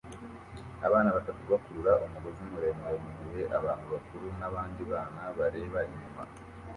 Abana batatu bakurura umugozi muremure mugihe abantu bakuru nabandi bana bareba inyuma